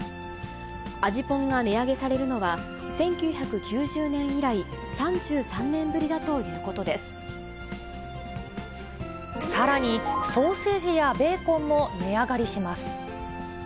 味ぽんが値上げされるのは、１９９０年以来、３３年ぶりだとさらに、ソーセージやベーコンも値上がりします。